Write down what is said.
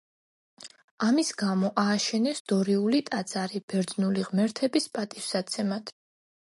ამის გამო ააშენეს დორიული ტაძარი, ბერძნული ღმერთების პატივსაცემად.